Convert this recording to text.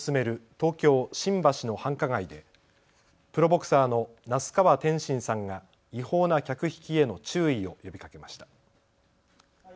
東京新橋の繁華街でプロボクサーの那須川天心さんが違法な客引きへの注意を呼びかけました。